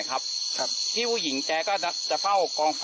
ขอบคุณทุกคน